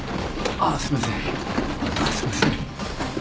あっすいません。